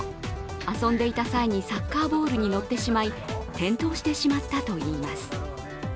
遊んでいた際にサッカーボールに乗ってしまい、転倒してしまったといいます。